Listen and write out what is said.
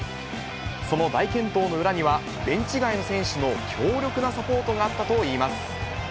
その大健闘の裏には、ベンチ外の選手の強力なサポートがあったといいます。